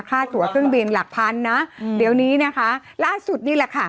ค่าตัวเครื่องบินหลักพันนะอืมเดี๋ยวนี้นะคะล่าสุดนี่แหละค่ะ